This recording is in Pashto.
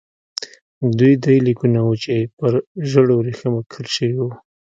دوی درې لیکونه وو چې پر ژړو ورېښمو کښل شوي وو.